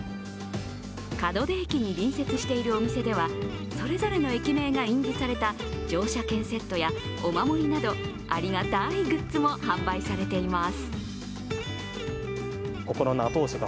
門出駅に隣接しているお店ではそれぞれの駅名が印字された乗車券セットやお守りなど、ありがたいグッズも販売されています。